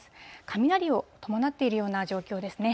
雷を伴っているような状況ですね。